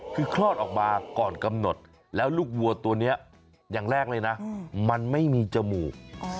คือคลอดออกมาก่อนกำหนดแล้วลูกวัวตัวนี้อย่างแรกเลยนะมันไม่มีจมูก